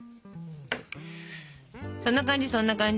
そんな感じそんな感じ。